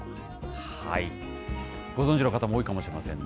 ご存じの方も多いかもしれませんね。